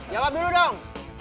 jawab dulu dong